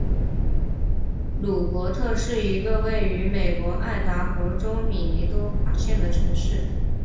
鲁珀特是一个位于美国爱达荷州米尼多卡县的城市。